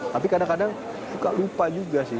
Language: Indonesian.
tapi kadang kadang suka lupa juga sih